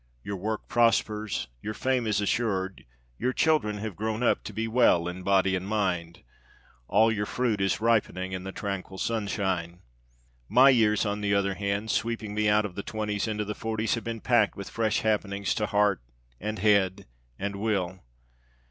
Your work prospers, your fame is assured, your children have grown up to be well in body and mind. All your fruit is ripening in the tranquil sunshine. My years, on the other hand, sweeping me out of the twenties into the forties, have been packed with fresh happenings to heart and head and will.